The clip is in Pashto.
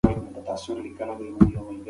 بازار د سوداګرۍ بنسټیز ځای دی.